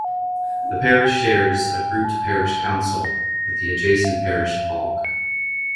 The parish shares a grouped parish council with the adjacent parish of Balk.